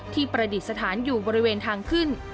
ประดิษฐานอยู่บริเวณทางขึ้น